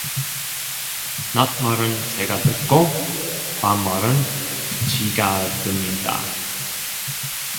낮 말은 새가 듣고 밤 말은 쥐가 듣는다